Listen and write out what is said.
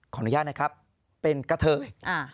ขออนุญาตนะครับเป็นกะเทย